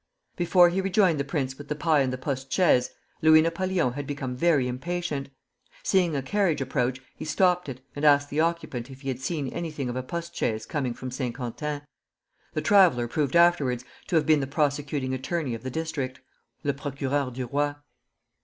Before he rejoined the prince with the pie and the postchaise, Louis Napoleon had become very impatient. Seeing a carriage approach, he stopped it, and asked the occupant if he had seen anything of a postchaise coming from St. Quentin. The traveller proved afterwards to have been the prosecuting attorney of the district (le procureur du roi).